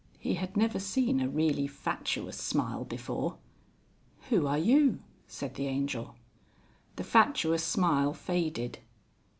He had never seen a really fatuous smile before. "Who are you?" said the Angel. The fatuous smile faded.